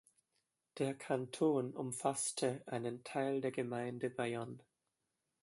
Der Kanton umfasste einen Teil der Gemeinde Bayonne.